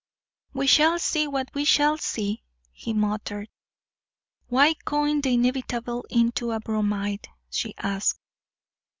"We shall see what we shall see," he muttered. "Why coin the inevitable into a bromide," she asked.